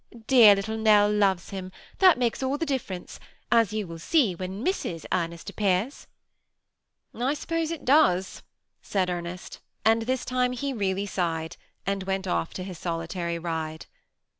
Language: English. Dear little Nell loves him ; that makes all the difference, as you will see when Mrs. Ernest ap pears." " I suppose it does," said Ernest ; and this time he really sighed, and went off to his solitary ride.